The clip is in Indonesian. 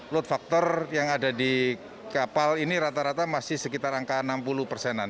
load factor yang ada di kapal ini rata rata masih sekitar angka enam puluh persenan